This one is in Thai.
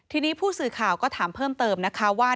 ทีนี้ผู้สื่อข่าวก็ถามเพิ่มเติมนะคะว่า